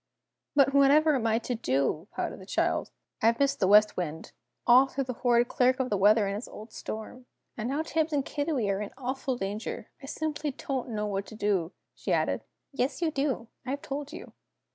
"But whatever am I to do?" pouted the child. "I've missed the West Wind all through the horrid Clerk of the Weather and his old storm! And now Tibbs and Kiddiwee are in awful danger. I simply don't know what to do," she added. "Yes, you do! I have told you.